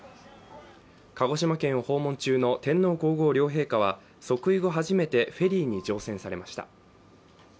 鹿児島県を訪問中の天皇皇后両陛下は即位後初めてフェリーに乗船されました。